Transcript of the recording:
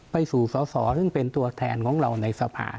ไปสู่สอสอซึ่งเป็นตัวแทนของเราในสภา